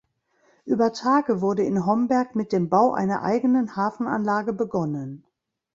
Über Tage wurde in Homberg mit dem Bau einer eigenen Hafenanlage begonnen.